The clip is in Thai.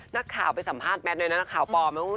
นักข่าวไปสัมภาษณ์แมทเลยนะข่าวปลอม